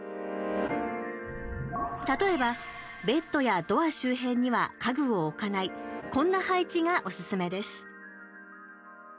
例えば、ベッドやドア周辺には家具を置かないこんな配置がおすすめです。